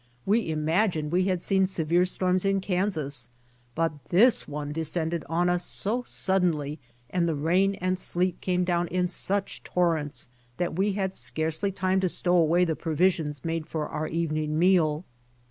We imagined we had seen severe storms in Kansas, but this one descended on us so suddenly and the rain and sleet came down in such torrents, that we had scarcely time to stow away the provisions made for our evening meal.